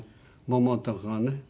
桃とかがね。